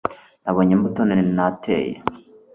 nabonye imbuto none nateye